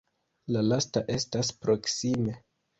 La lasta estas proksime.